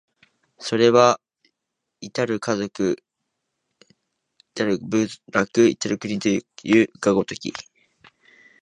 それは或る家族、或る部落、或る国というが如き、